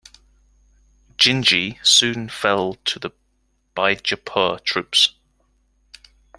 Gingee soon fell to the Bijapur troops.